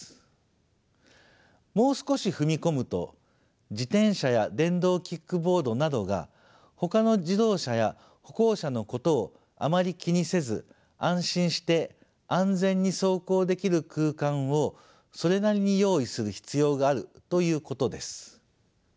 もう少し踏み込むと自転車や電動キックボードなどがほかの自動車や歩行者のことをあまり気にせず安心して安全に走行できる空間をそれなりに用意する必要があるということです。